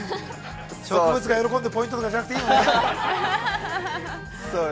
植物が喜んで、ポイントとかじゃなくていいのね。